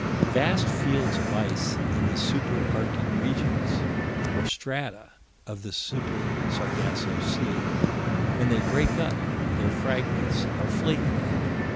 Vast fields of ice in the Super Arctic regions, or strata, of the Super Sargasso Sea. When they break up, their fragments are flake like.